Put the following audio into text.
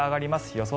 予想